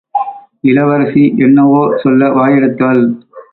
இளவரசி என்னவோ சொல்ல வாயெடுத்தாள்.